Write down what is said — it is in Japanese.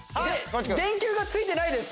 電球が付いてないです。